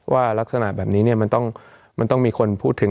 ว่ารักษณะแบบนี้มันต้องมีคนพูดถึง